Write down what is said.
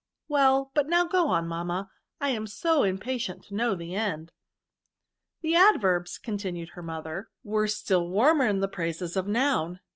" Well ; but now go on, mamma, I am so impatient to know the end.' " The Adverbs," continued her mother, BB 3 282 VERBS. 'f were still wanner in the praises of Noun.